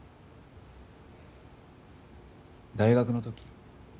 大学の時？